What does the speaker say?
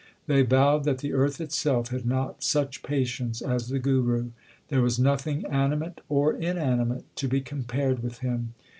They vowed that the earth itself had not such patience as the Guru. There was nothing animate or inanimate to be compared with him.